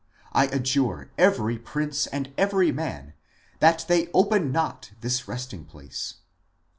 ... I adjure every prince and every man that they open not this resting place